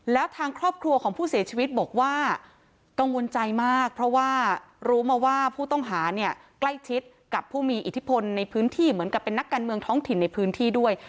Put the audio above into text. แล้วทางครอบครัวของผู้เสียชีวิตบอกว่ากังวลใจมากเพราะว่ารู้มาว่าผู้ต้องหาเนี่ยใกล้ชิดกับผู้มีอิทธิพลในพื้นที่เหมือนกับเป็นนักการเมืองท้องถิ่นในพื้นที่ด้วย